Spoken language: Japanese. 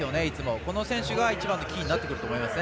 この選手が一番のキーになってくると思いますね。